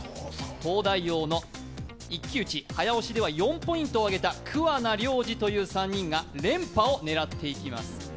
東大王の一騎打ち、早押しでは４ポイントを挙げた桑名良治という３人が連覇を狙っていきます。